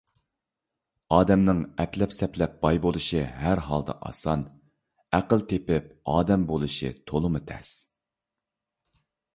ئادەمنىڭ ئەپلەپ - سەپلەپ باي بولۇشى ھەر ھالدا ئاسان؛ ئەقىل تېپىپ ئادەم بولۇشى تولىمۇ تەس.